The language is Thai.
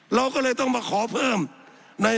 สับขาหลอกกันไปสับขาหลอกกันไป